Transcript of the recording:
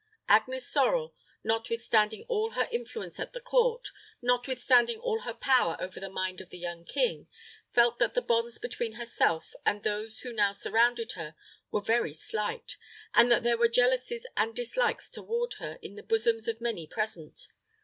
Agnes Sorel, notwithstanding all her influence at the court, notwithstanding all her power over the mind of the young king, felt that the bonds between herself and those who now surrounded her were very slight, and that there were jealousies and dislikes toward her in the bosoms of many present.